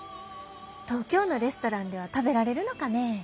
東京のレストランでは食べられるのかねぇ。